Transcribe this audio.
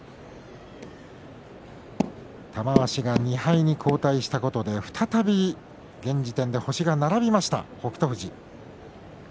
玉鷲が２敗に後退したことで再び現時点で星が並びました北勝富士。